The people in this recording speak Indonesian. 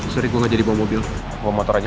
sering gue gak jadi bawa mobil bawa motor aja